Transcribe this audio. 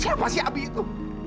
siapa si abi itu